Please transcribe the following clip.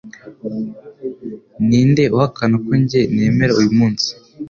Ndi nde uhakana ko njye nemera uyu munsi